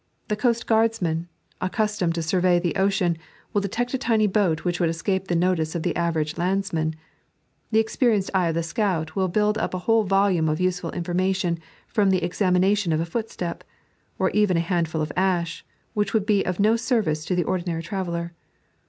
The coastguardsman, accus tomed to survey the ocean, will detect a tiny boat which would escape the notice of the average landsman ; the experienced eye of the scout will build up a whole volume of useful information from the examination of a footstep, , or even a handful of ash, which would be of no service to the ordinary traveller.